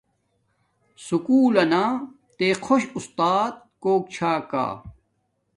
سکُول لنا تے خوش اُستات کوک چھا کا